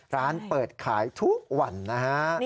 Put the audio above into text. ร้านเปิดขายทุกวันนะฮะ